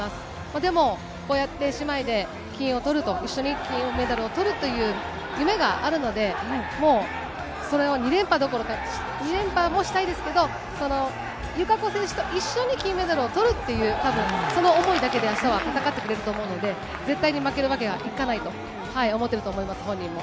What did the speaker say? でも、こうやって姉妹で金をとると、一緒に金メダルをとるという夢があるので、もうそれは２連覇どころか、２連覇もしたいですけど、友香子選手と一緒に金メダルをとるっていう、たぶんその思いだけであしたは戦ってくれると思うので、絶対負けるわけにはいかないと思っていると思います、本人も。